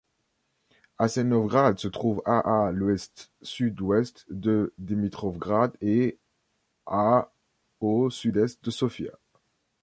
Assénovgrad se trouve à à l'ouest-sud-ouest de Dimitrovgrad et à au sud-est de Sofia.